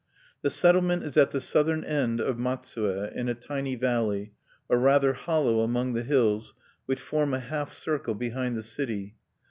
"The settlement is at the southern end of Matsue in a tiny valley, or rather hollow among the hills which form a half circle behind the city.